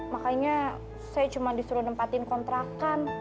makanya saya cuma disuruh nempatin kontrakan